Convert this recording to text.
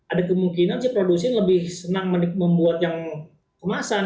ada kemungkinan sih produsen lebih senang membuat yang kemasan